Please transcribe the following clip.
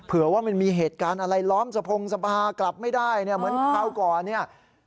เอาไปทำไม